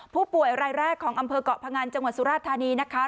ผู้ป่วยรายแรกของอำเภอกเกาะพงันจังหวัดสุราธานีนะคะ